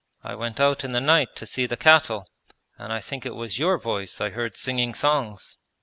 I went out in the night to see the cattle, and I think it was your voice I heard singing songs.'